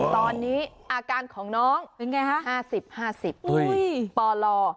ตอนนี้อาการของน้อง๕๐๕๐ปล